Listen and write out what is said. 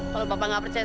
kalau bapak nggak percaya